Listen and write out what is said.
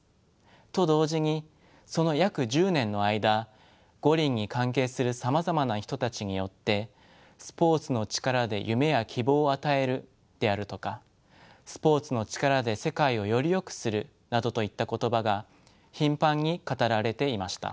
と同時にその約１０年の間五輪に関係するさまざまな人たちによって「スポーツの力で夢や希望を与える」であるとか「スポーツの力で世界をよりよくする」などといった言葉が頻繁に語られていました。